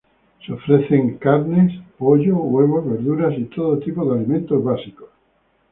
Se ofrecen carnes, pollo, huevos, verduras y todo tipo de alimentos básicos.